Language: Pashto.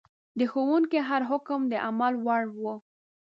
د ښوونکي هر حکم د عمل وړ و.